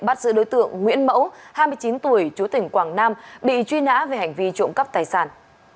bắt giữ đối tượng nguyễn mẫu hai mươi chín tuổi chú tỉnh quảng nam bị truy nã về hành vi trộm cắp tài sản